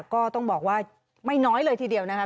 ก็ต้องบอกว่าไม่น้อยเลยทีเดียวนะคะ